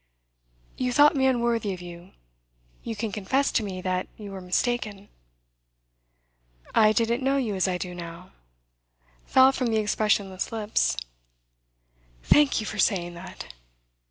'You thought me unworthy of you. You can confess to me that you were mistaken.' 'I didn't know you as I do now,' fell from the expressionless lips. 'Thank you for saying that!